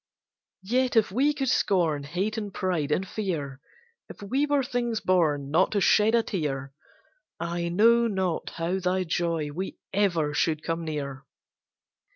Yet, if we could scorn, Hate and pride, and fear; If we were things born Not to shed a tear, I know not how thy joy we ever should come near.